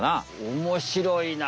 おもしろいな。